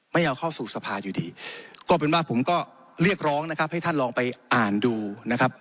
ไม่เอาเข้าสู่สภาอยู่ดีก็เป็นว่าผมก็เรียกร้องนะครับให้ท่านลองไปอ่านดูนะครับ